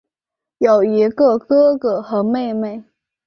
有一个哥哥和妹妹。